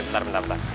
bentar bentar bentar